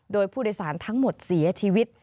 โดยผู้โดยสารทั้งหมดเสียชีวิต